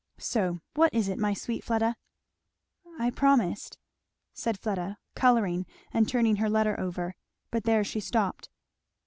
So what is it, my sweet Fleda?" "I promised " said Fleda colouring and turning her letter over. But there she stopped.